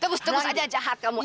terus terus aja jahat kamu